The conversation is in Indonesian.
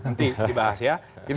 nanti dibahas ya